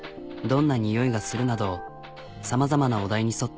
「どんな匂いがする？」などさまざまなお題に沿って